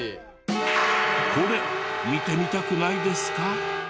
これ見てみたくないですか？